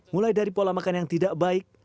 mulai dari pola makan yang tidak baik